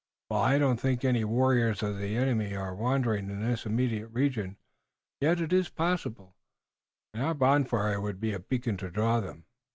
While I do not think any warriors of the enemy are wandering in this immediate region, yet it is possible, and our bonfire would be a beacon to draw them."